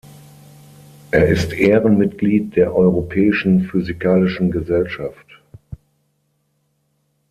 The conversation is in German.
Er ist Ehrenmitglied der Europäischen Physikalischen Gesellschaft.